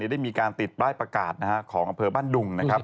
ได้มีการติดปลายประกาศของอเภอบ้านดุง